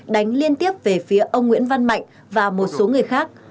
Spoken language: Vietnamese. đánh liên tiếp về phía ông nguyễn văn mạnh và một số người khác